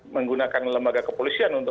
menggunakan lembaga kepolisian untuk